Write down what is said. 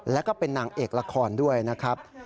แล้วก็เป็นนางเอกละครด้วยนะครับ